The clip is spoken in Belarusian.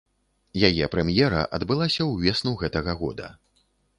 Яе прэм'ера адбылася ўвесну гэтага года.